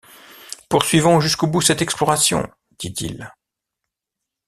Poursuivons jusqu’au bout cette exploration, » dit-il